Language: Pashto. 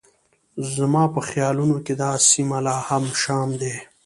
زما په خیالونو کې دا سیمه لا هم شام دی.